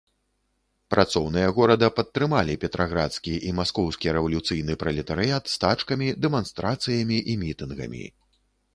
Працоўныя горада падтрымалі петраградскі і маскоўскі рэвалюцыйны пралетарыят стачкамі, дэманстрацыямі і мітынгамі.